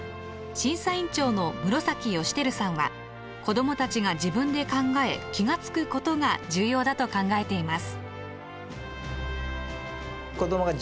審査員長の室益輝さんは子どもたちが自分で考え気が付くことが重要だと考えています。